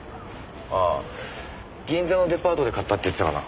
ああ銀座のデパートで買ったって言ってたかな？